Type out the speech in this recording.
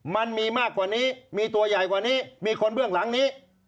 มันมีมากกว่านี้มีตัวใหญ่กว่านี้มีคนเบื้องหลังนี้